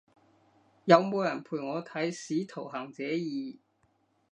有冇人陪我睇使徒行者二？